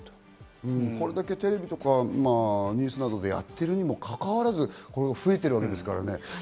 これだけテレビとかニュースなどでやっているにもかかわらず増えてるわけですからね。